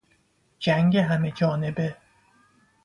جنگ همه جانبه